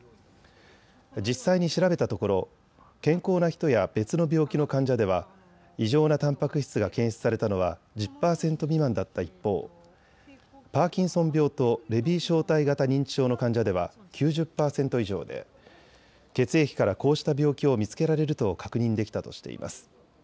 実際に調べたところ健康な人や別の病気の患者では異常なたんぱく質が検出されたのは１０％未満だった一方、パーキンソン病とレビー小体型認知症の患者では９０％以上で血液から、こうした病気を見つけられると確認できたとしています。